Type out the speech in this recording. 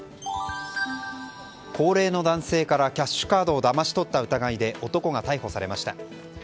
高齢の男性からキャッシュカードをだまし取った疑いで男が逮捕されました。